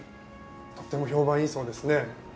とっても評判いいそうですね。